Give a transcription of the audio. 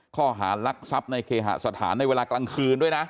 ข้อหารักทรัพย์ในเคหสถานในเวลากลางคืนด้วยนะ